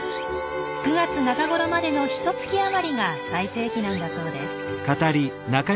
９月中頃までのひと月余りが最盛期なんだそうです。